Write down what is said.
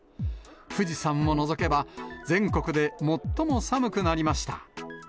富士山を除けば全国で最も寒くなりました。